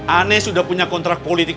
aneh sudah punya kontrak politik